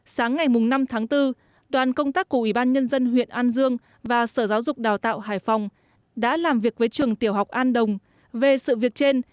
sáng ngày năm tháng bốn đoàn công tác của ủy ban nhân dân huyện an dương và sở giáo dục đào tạo hải phòng đã làm việc với trường tiểu học an đồng về sự việc trên